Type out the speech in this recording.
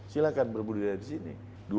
silahkan berbudidaya di sini